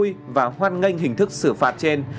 tôi rất vui và hoan nghênh hình thức sử phạt trên